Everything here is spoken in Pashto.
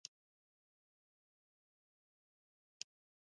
احمد وويل: وخت هلته ورو دی.